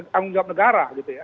tanggung jawab negara gitu ya